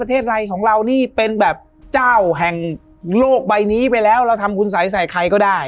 ไทยของเรานี่เป็นแบบเจ้าแห่งโลกใบนี้ไปแล้วเราทำคุณสัยใส่ใครก็ได้